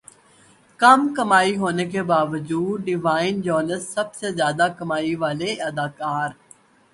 کم کمائی ہونے کے باوجود ڈیوائن جونسن سب سے زیادہ کمانے والے اداکار